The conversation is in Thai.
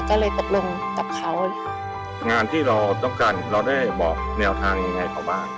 ก็เลยตกลงกับเขางานที่เราต้องการเราได้บอกแนวทางยังไงเขาบ้าง